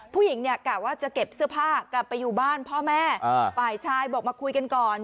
ผู้หญิงเนี่ยกะว่าจะเก็บเสื้อผ้ากลับไปอยู่บ้านพ่อแม่ฝ่ายชายบอกมาคุยกันก่อน